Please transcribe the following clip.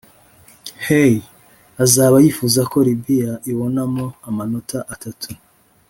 Hey azaba yifuza ko Libya ibonamo amanota atatu